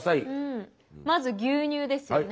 まず牛乳ですよね。